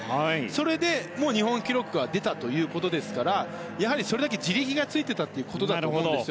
それでも日本記録が出たということですからやはりそれだけ地力がついてたということだと思うんです。